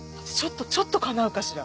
ちょっとかなうかしら。